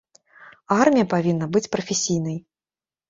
Армія павінна быць прафесійнай.